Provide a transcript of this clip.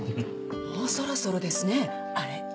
もうそろそろですねあれ。